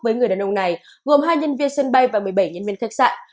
với người đàn ông này gồm hai nhân viên sân bay và một mươi bảy nhân viên khách sạn